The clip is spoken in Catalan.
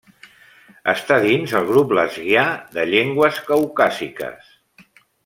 Està dins el grup lesguià de llengües caucàsiques.